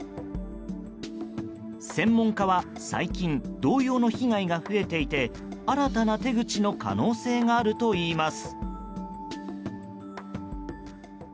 専門家は最近同様の被害が増えていて新たな手口の可能性があるといいます。